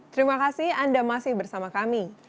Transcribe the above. terima kasih anda masih bersama kami